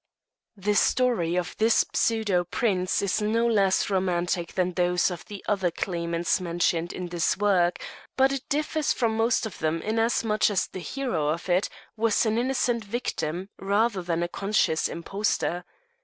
A.D. 1644. The story of this pseudo prince is no less romantic than those of the other claimants mentioned in this work, but it differs from most of them inasmuch as the hero of it was an innocent victim rather than a conscious impostor.